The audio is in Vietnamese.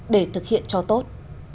để thực hiện cho tốt